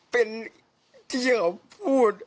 เป็นที่เขาพูด